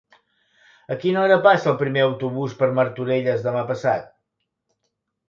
A quina hora passa el primer autobús per Martorelles demà passat?